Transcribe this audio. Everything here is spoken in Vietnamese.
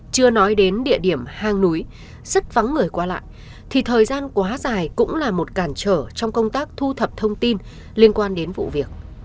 chưa nói đến địa điểm hang núi rất vắng người qua lại thì thời gian quá dài cũng là một cản trở trong công tác thu thập thông tin liên quan đến vụ việc